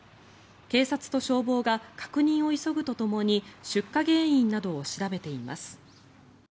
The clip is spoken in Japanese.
警察と消防が確認を急ぐとともに出火原因などを調べています。